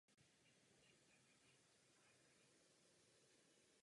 Nádraží je výchozím bodem také v regionální dopravě.